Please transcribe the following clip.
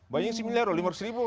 banyak satu miliar loh lima ratus ribu